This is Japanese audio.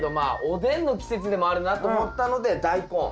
おでんの季節でもあるなと思ったのでダイコン。